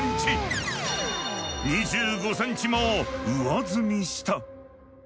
２５センチも上積みした。